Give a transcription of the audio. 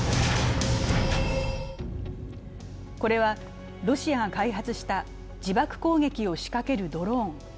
これはロシアが開発した自爆攻撃を仕掛けるドローン。